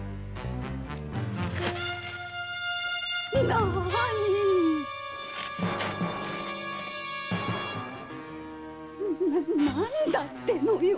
なに⁉何だってのよ！